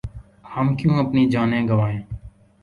ہم کیوں اپنی جانیں گنوائیں ۔